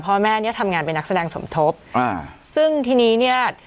พ่อแม่เนี้ยทำงานเป็นนักแสดงสมทบอ่าซึ่งทีนี้เนี้ย